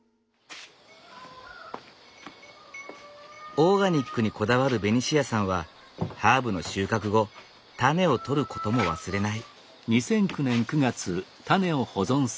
オーガニックにこだわるベニシアさんはハーブの収穫後タネを取ることも忘れない。